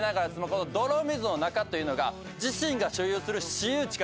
この「泥水の中」というのが自身が所有する私有地かどうか？